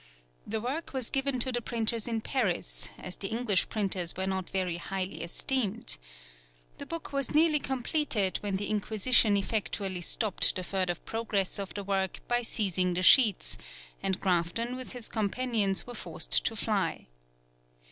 The work was given to the printers in Paris, as the English printers were not very highly esteemed. The book was nearly completed when the Inquisition effectually stopped the further progress of the work by seizing the sheets, and Grafton with his companions were forced to fly.